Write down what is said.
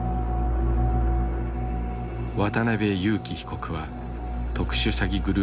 渡邉優樹被告は特殊詐欺グループのトップ。